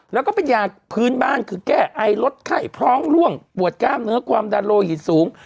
แล้วก็เป็นยาพื้นบ้านคือแก้ไอลดไข้พร้อมร่วงปวดกล้ามเนื้อความดันโลหิตสูง